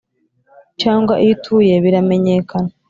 cyangwa iyo utuye biramenyekana